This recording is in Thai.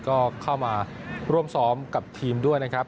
ก็เข้ามาร่วมซ้อมกับทีมด้วยนะครับ